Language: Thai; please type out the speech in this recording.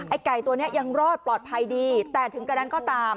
ไก่ตัวนี้ยังรอดปลอดภัยดีแต่ถึงกระนั้นก็ตาม